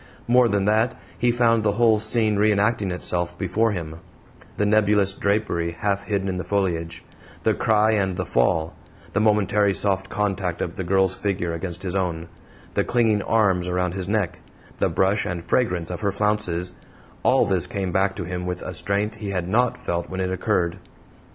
More than that, he found the whole scene re enacting itself before him; the nebulous drapery half hidden in the foliage, the cry and the fall; the momentary soft contact of the girl's figure against his own, the clinging arms around his neck, the brush and fragrance of her flounces all this came back to him with a strength he had NOT felt when it occurred.